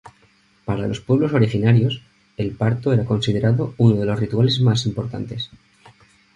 Para los pueblos originarios, el parto era considerado uno de los rituales más importantes.